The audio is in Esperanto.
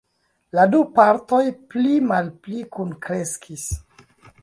La du partoj pli-malpli kunkreskis.